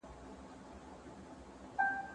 ¬ نه ما څه درته کښېښوول، نه تا څه پکښي پرېښوول.